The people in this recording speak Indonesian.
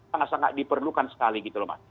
sangat sangat diperlukan sekali gitu loh mas